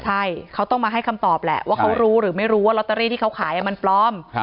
ใช่เขาต้องมาให้คำตอบแหละว่าเขารู้หรือไม่รู้ว่าลอตเตอรี่ที่เขาขายมันปลอม